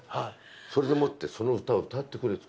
それでもって、その歌を歌ってくれって。